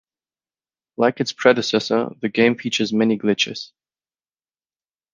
Like its predecessor, the game features many glitches.